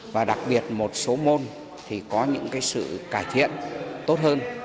và đặc biệt một số môn thì có những sự cải thiện tốt hơn